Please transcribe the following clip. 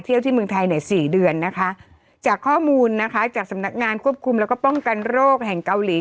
เที่ยวที่เมืองไทยเนี่ยสี่เดือนนะคะจากข้อมูลนะคะจากสำนักงานควบคุมแล้วก็ป้องกันโรคแห่งเกาหลี